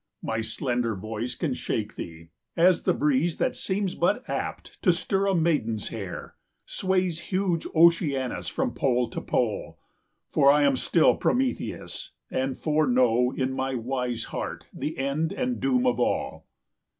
My slender voice can shake thee, as the breeze, 90 That seems but apt to stir a maiden's hair, Sways huge Oceanus from pole to pole; For I am still Prometheus, and foreknow In my wise heart the end and doom of all.